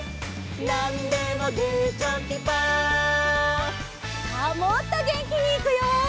「なんでもグーチョキパー」さあもっとげんきにいくよ！